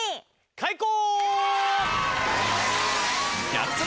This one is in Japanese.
開講！